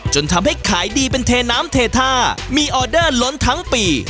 จนทำให้ขายดีเป็นเทน้ำเทท่ามีออเดอร์ล้นทั้งปี